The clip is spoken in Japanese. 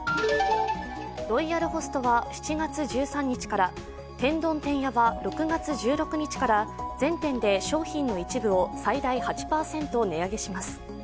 ロイヤルホストは７月１３日から天丼てんやは６月１６日から全店で商品の一部を最大８％値上げします。